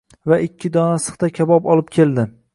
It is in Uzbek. va ikki dona sixda kabob olib keldi.